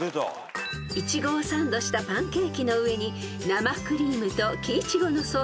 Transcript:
［イチゴをサンドしたパンケーキの上に生クリームとキイチゴのソースを載せ